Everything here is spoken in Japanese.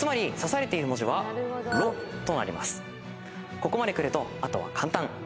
ここまでくるとあとは簡単。